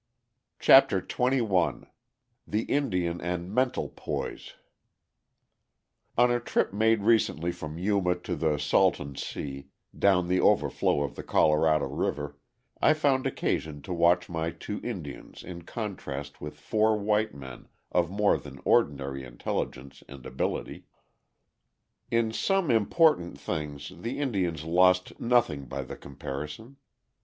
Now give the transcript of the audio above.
CHAPTER XXI THE INDIAN AND MENTAL POISE On a trip made recently from Yuma to the Salton Sea, down the overflow of the Colorado River, I found occasion to watch my two Indians in contrast with four white men of more than ordinary intelligence and ability. In some important things the Indians lost nothing by the comparison.